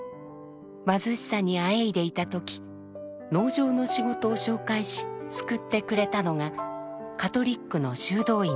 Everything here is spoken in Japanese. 貧しさにあえいでいた時農場の仕事を紹介し救ってくれたのがカトリックの修道院でした。